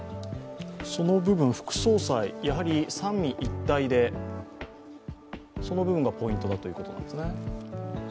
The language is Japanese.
その部分、副総裁、やはり三位一体ということがポイントだということですね。